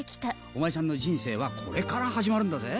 お前さんの人生はこれから始まるんだぜ？